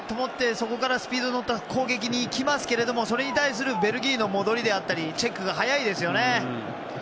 そこからスピードに乗った攻撃にいきますけどそれに対するベルギーの戻りだったりチェックが速いですね。